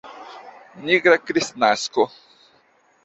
Nigra Kristnasko.